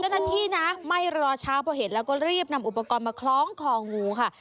ในที่ไม่รอเช้าเพราะเห็นแล้วก็รีบนำอุปกรณ์มาคล้องคองูค่ะ